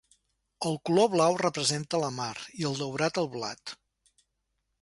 El color blau representa la mar, i el daurat el blat.